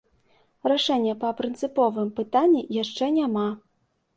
Рашэння па прынцыповым пытанні яшчэ няма.